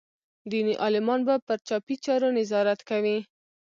دیني عالمان به پر چاپي چارو نظارت کوي.